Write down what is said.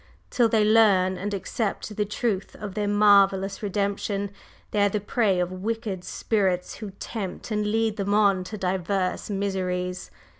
Till they learn and accept the truth of their marvellous Redemption, they are the prey of wicked spirits who tempt and lead them on to divers miseries.